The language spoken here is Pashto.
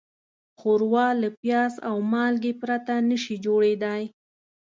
ښوروا له پیاز او مالګې پرته نهشي جوړېدای.